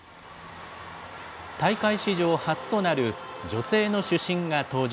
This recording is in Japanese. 大会史上初となる、女性の主審が登場。